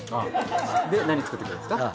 で何作ってくれるんですか？